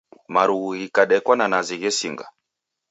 Marughu ghikadekwa na nazi ghesinga.